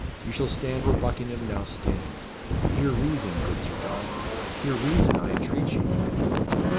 You shall stand where Buckingham now stands. Hear reason, good Sir Jocelyn. Hear reason, I entreat you."